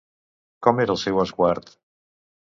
Com era el seu esguard?